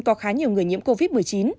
có khá nhiều người nhiễm covid một mươi chín